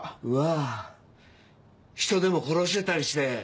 うわぁ人でも殺してたりして？